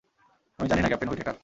আমি জানি না, ক্যাপ্টেন হুইটেকার।